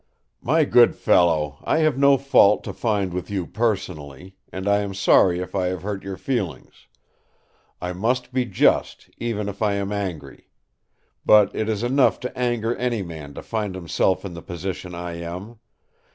"My good fellow, I have no fault to find with you personally; and I am sorry if I have hurt your feelings. I must be just, even if I am angry. But it is enough to anger any man to find himself in the position I am.